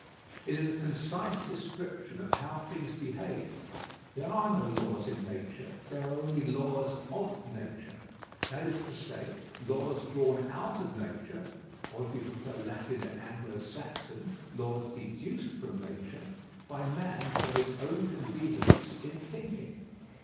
It is a concise description of how things behave. There are no laws in Nature; there are only laws of Nature; SCIENTIFIC VS. LEGAL LAWS 103 that is to say, laws drawn out of Nature (or, if you prefer Latin to Anglo Saxon, laws deduced from Nature) by man for his own convenience in thinking.